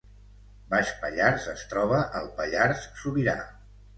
Baix Pallars es troba al Pallars Sobirà